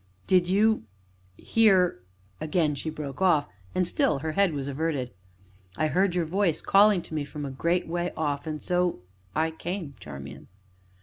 "Did you hear " Again she broke off, and still her head was averted. "I heard your voice calling to me from a great way off, and so I came, Charmian."